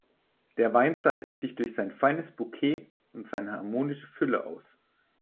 Der Wein zeichnet sich durch sein feines Bukett und seine harmonische Fülle aus.